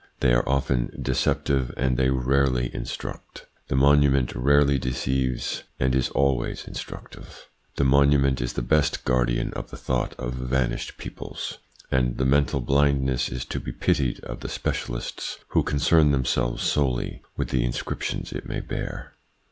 They are often deceptive and they rarely instruct. The monument rarely deceives and is always instructive. The monument is the best guardian of the thought of vanished peoples, and the mental blindness is to be pitied of the specialists who concern themselves solely with the inscriptions it may bear.